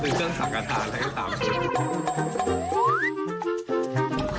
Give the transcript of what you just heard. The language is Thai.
ซื้อเส้นสังกระทานให้ตามชุด